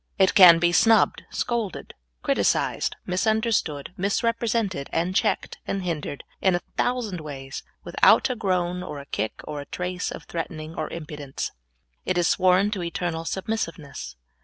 It can be snubbed, scolded, criti cised, misunderstood, misrepresented, and checked and hindered in a thousand ways without a groan, or a kick, or a trace of threatening or impudence. It is sworn to eternal submissiveness.